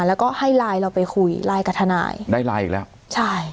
แล้วก็ให้ไลน์เราไปคุยไลน์กับทนายได้ไลน์อีกแล้วใช่